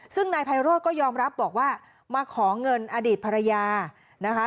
ซึ่งนายไพโรธก็ยอมรับบอกว่ามาขอเงินอดีตภรรยานะคะ